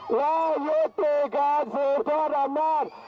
และหยุดไปการสูตรอำนาจ